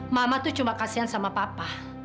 mama tuh cuma kasihan sama papa